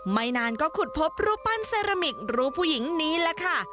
ไม่นานก็ขุดพบรูปปั้นเซรามิกรูปผู้หญิงนี้แหละค่ะ